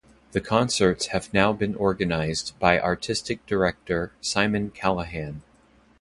The concerts have now been organised by Artistic Director, Simon Callaghan.